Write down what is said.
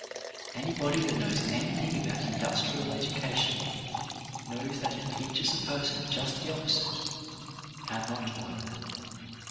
Anybody that knows anything about industrial education knows that it teaches a person just the opposite — how not to work.